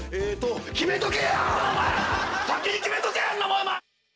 先に決めとけんなもん！